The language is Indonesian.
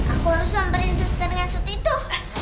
aku harus sampein suster nyesot itu